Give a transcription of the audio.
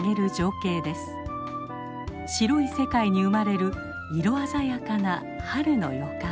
白い世界に生まれる色鮮やかな春の予感。